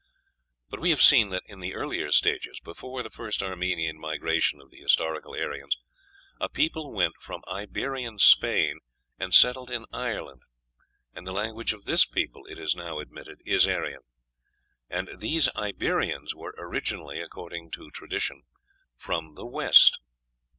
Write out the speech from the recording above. But we have seen that in the earliest ages, before the first Armenian migration of the historical Aryans, a people went from Iberian Spain and settled in Ireland, and the language of this people, it is now admitted, is Aryan. And these Iberians were originally, according to tradition, from the West.